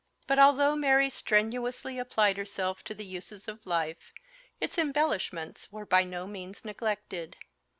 But although Mary strenuously applied herself to the uses of life, its embellishments were by no means neglected.